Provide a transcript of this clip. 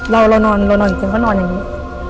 เรานอนครึ่งก็นอนนี่